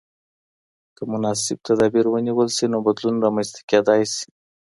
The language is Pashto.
که مناسب تدابیر ونیول سي، نو بدلون رامنځته کېدلای سي.